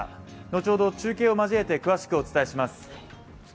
後ほど中継を交えて詳しくお伝えします。